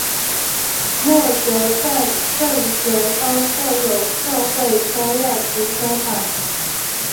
默泽站正前方设有社会车辆停车场。